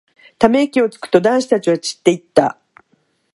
ため息をつくと、男子たちは散っていった。